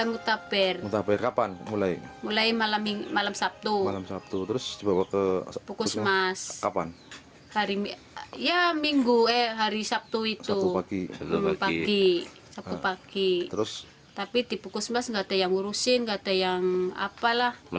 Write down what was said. kenangan ini tidak ada tidak dipegang tidak apa apa